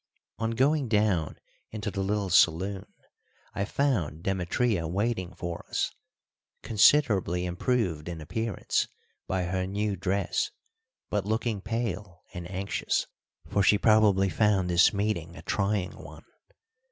On going down into the little saloon I found Demetria waiting for us, considerably improved in appearance by her new dress, but looking pale and anxious, for she probably found this meeting a trying one.